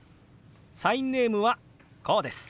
サインネームはこうです。